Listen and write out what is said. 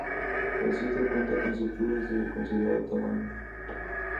El sitio cuenta con estructuras de considerable tamaño.